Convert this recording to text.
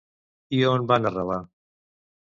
I on van arrelar?